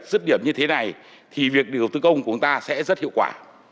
dứt điểm như thế này thì việc đầu tư công của chúng ta sẽ rất hiệu quả